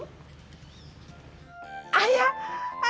ayah ayah yang baik